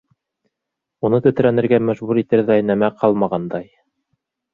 Уны тетрәнергә мәжбүр итерҙәй нәмә ҡалмағандай.